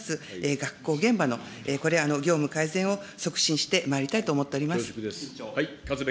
学校現場の、これ、業務改善を促進してまいりたいと思っております。